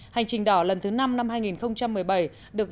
hành trình đỏ lần thứ năm năm hai nghìn một mươi bảy được